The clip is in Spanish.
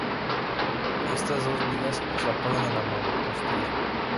Estas dos vigas se apoyaban en la mampostería.